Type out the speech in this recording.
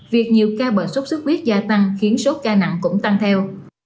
việc nhiều ca bệnh sốt xuất huyết gia tăng khiến số ca nặng cũng tăng theo